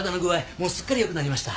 もうすっかりよくなりました。